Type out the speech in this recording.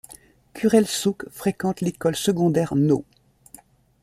Khurelsukh fréquente l'école secondaire No.